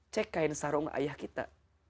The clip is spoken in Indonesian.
cek kain sarung ayah kita